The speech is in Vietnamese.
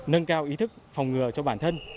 nâng cao ý thức phòng ngừa cho bản thân